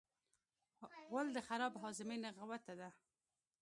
غول د خراب هاضمې نغوته ده.